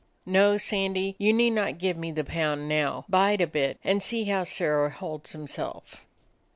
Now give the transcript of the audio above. No, Sandy, you need not give me the pound now. Bide a bit, and see how Sirrah holds himself.